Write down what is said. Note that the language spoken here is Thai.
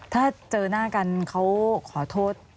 ถ้าเจอหน้ากันเขาขอโทษ